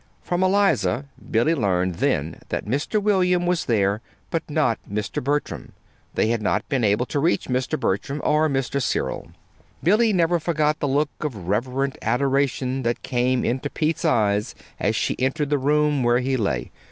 From Eliza Billy learned then that Mr. William was there, but not Mr. Bertram. They had not been able to reach Mr. Bertram, or Mr. Cyril. Billy never forgot the look of reverent adoration that came into Pete's eyes as she entered the room where he lay.